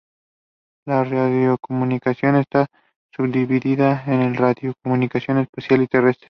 La radiocomunicación está subdividida en radiocomunicación espacial y terrestre.